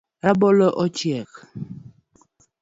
Rabolo ochiek